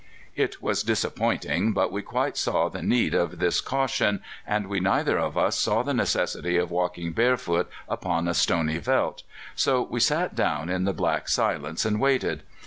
"It was disappointing, but we quite saw the need of this caution, and we neither of us saw the necessity of walking barefoot upon a stony veldt; so we sat down in the black silence, and waited.